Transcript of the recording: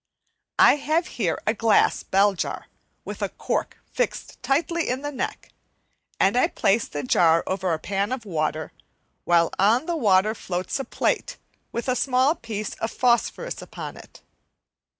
I have here a glass bell jar, with a cork fixed tightly in the neck, and I place the jar over a pan of water, while on the water floats a plate with a small piece of phosphorus upon it.